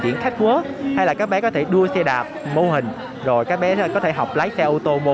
chuyển khách quá hay là các bé có thể đua xe đạp mô hình rồi các bé có thể học lái xe ô tô mô